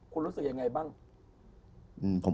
คุณรู้สึกยังไงบ้าง